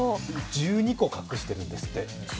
１２個隠してるんですって。